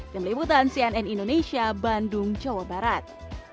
kemelihubungan cnn indonesia bandung jawa barat